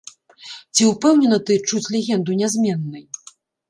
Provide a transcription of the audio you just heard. Ці ўпэўнена ты, чуць легенду нязменнай?